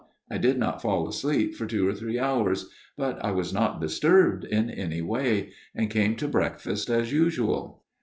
I did not fall asleep for two or three hours ; but I was not disturbed in any way ; and came to breakfast as usual.